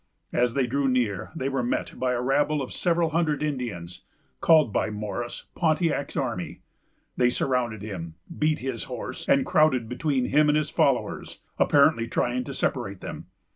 As they drew near, they were met by a rabble of several hundred Indians, called by Morris "Pontiac's army." They surrounded him, beat his horse, and crowded between him and his followers, apparently trying to separate them.